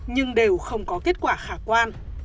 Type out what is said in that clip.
nhưng đều không có kết quả khả quan